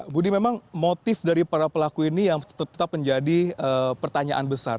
budi memang motif dari para pelaku ini yang tetap menjadi pertanyaan besar